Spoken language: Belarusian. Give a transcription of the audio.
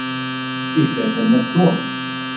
І гэта не сон!